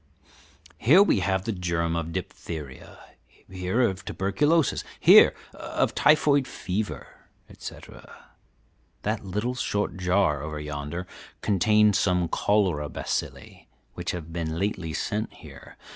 "Here we have the germ of diphtheria, here of tuberculosis, here of typhoid fever, etc. That little short jar over yonder contains some cholera bacilli, which have been lately sent here.